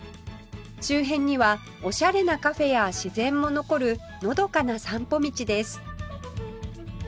周辺にはオシャレなカフェや自然も残るのどかな散歩道です